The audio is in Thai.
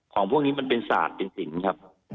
ของพวกนี้มันเป็นสถานที่สินฮะ